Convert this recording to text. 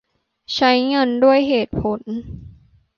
ใช้เงินด้วยเหตุผล